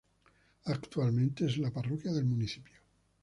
Actualmente es la parroquia del municipio.